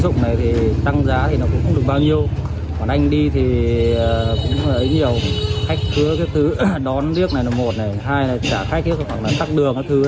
nhiều khách cứ đón biết là một hai là trả khách hoặc tắt đường